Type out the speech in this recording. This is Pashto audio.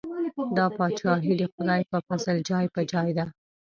دا پاچاهي د خدای په پزل جای په جای ده.